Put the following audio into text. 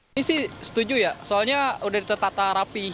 ini sih setuju ya soalnya udah ditetap rapi